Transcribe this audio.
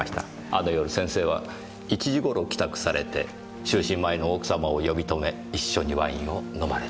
あの夜先生は１時頃帰宅されて就寝前の奥様を呼び止め一緒にワインを飲まれた。